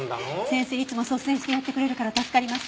先生いつも率先してやってくれるから助かります。